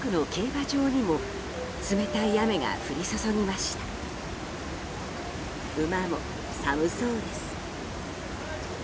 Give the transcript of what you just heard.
馬も寒そうです。